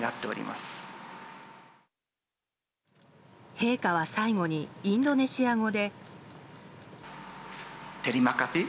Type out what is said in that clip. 陛下は最後にインドネシア語で。